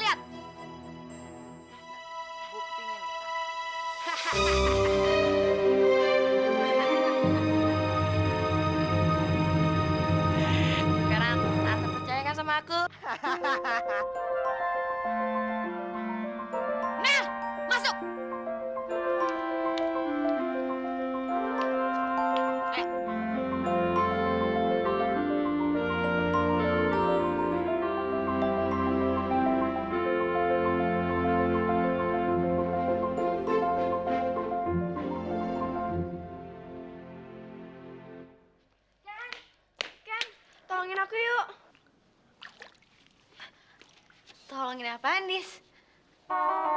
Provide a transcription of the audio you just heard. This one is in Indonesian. lihat dia udah jadi anak yang baik